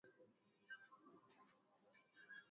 Amani idhumishwe nchini.